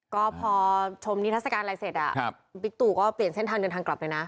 ก็พอชมนิทัศกาลอะไรเสร็จบิ๊กตู่ก็เปลี่ยนเส้นทางเดินทางกลับเลยนะ